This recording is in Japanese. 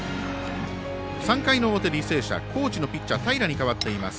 ３回の表、履正社高知のピッチャー平に代わっています。